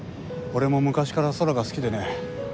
俺も昔から空が好きでね。